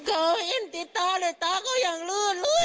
เอิ้นติดตาเลยตาก็ยังหลือ